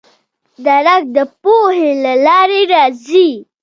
درک د پوهې له لارې راځي.